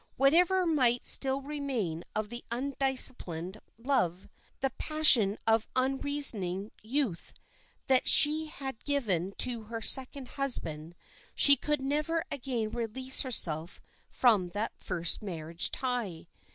Whatever might still remain of the undisciplined love, the passion of unreasoning youth, that she had given to her second husband, she could never again release herself from that first marriage tie.